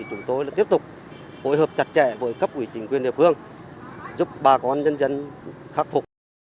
chúng tôi tiếp tục phối hợp chặt chẽ với cấp quỷ chính quyền địa phương giúp bà con nhân dân khắc phục